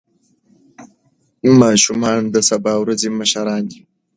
ماشومان د سبا ورځې مشران دي.